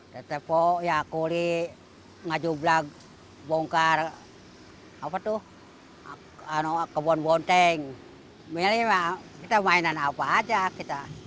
tetep oh ya kulik ngajub lagu bongkar apa tuh kebon bonteng milima kita mainan apa aja kita